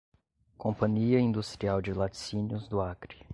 Companhia Industrial de Laticínios do Acre